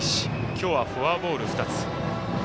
今日はフォアボール２つ。